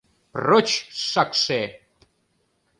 Прочь, шакше!